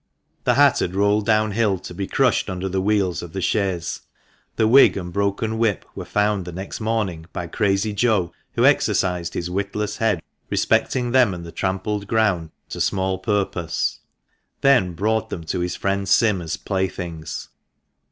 The hat had rolled downhill, to be crushed under the wheels of the chaise; the wig and broken whip were found the next morning by Crazy Joe, who exercised his witless head respecting them and the trampled ground to small purpose ; then brought them to his friend Sim as playthings.